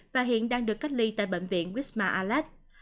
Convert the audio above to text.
và hiện đang được cách ly tại bệnh viện wisma alat